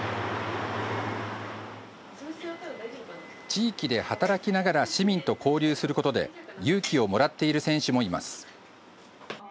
地域で働きながら市民と交流することで勇気をもらっている選手もいます。